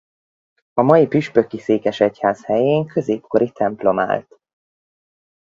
A mai püspöki székesegyház helyén középkori templom állt.